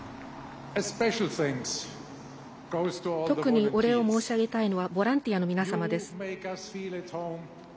特にお礼を申し上げたいのはボランティアの皆様です。